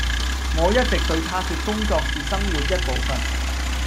我一直對她說工作是生活一部分